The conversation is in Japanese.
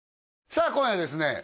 さあ今夜はですね